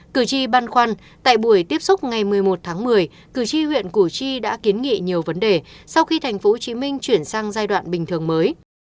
cử tri băn khoăn tại buổi tiếp xúc ngày một mươi một tháng một mươi cử tri huyện củ chi đã kiến nghị nhiều vấn đề sau khi tp hcm chuyển sang giai đoạn bình thường mới